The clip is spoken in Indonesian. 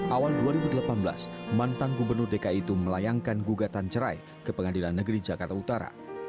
awal dua ribu delapan belas mantan gubernur dki itu melayangkan gugatan cerai ke pengadilan negeri jakarta utara